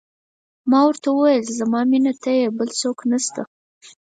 ما ورته وویل: زما مینه ته یې، بل څوک نه شته.